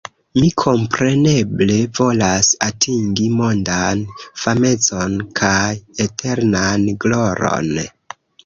Mi kompreneble volas atingi mondan famecon kaj eternan gloron.